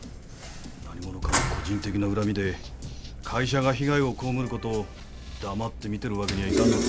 何者かの個人的な恨みで会社が被害を被ることを黙って見てるわけにはいかんのだ。